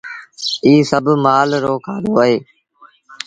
ايٚ سڀ مآل رو کآڌو اهي۔